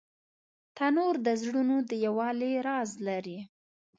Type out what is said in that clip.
تنور د زړونو د یووالي راز لري